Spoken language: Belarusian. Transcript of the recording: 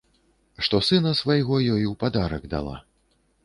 Што сына свайго ёй у падарак дала.